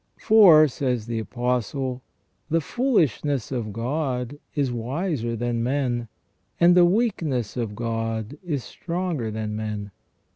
"For," says the Apostle, " the foolishness of God is wiser than men, and the weakness of God is Stronger than men.